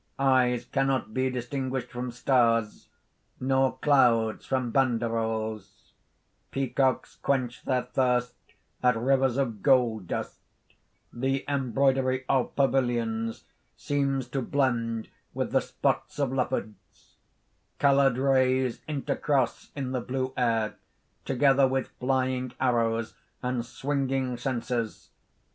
Eyes cannot be distinguished from stars; nor clouds from banderolles; peacocks quench their thirst at rivers of gold dust; the embroidery of pavilions seems to blend with the spots of leopards; coloured rays intercross in the blue air, together with flying arrows, and swinging censers.